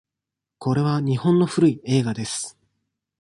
これは日本の古い映画です。